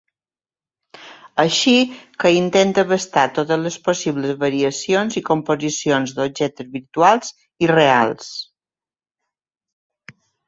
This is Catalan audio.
Així que intenta abastar totes les possibles variacions i composicions d'objectes virtuals i reals.